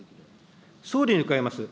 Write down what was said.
総理に伺います。